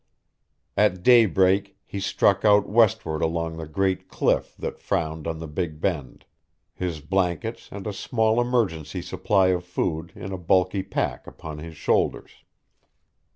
At daybreak he struck out westward along the great cliff that frowned on the Big Bend, his blankets and a small emergency supply of food in a bulky pack upon his shoulders.